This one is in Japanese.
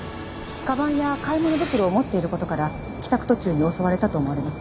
かばんや買い物袋を持っている事から帰宅途中に襲われたと思われます。